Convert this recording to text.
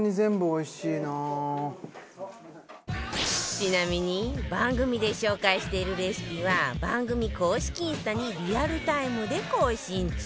ちなみに番組で紹介しているレシピは番組公式インスタにリアルタイムで更新中